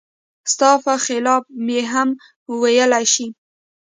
ستا په خلاف یې هم ویلای شي.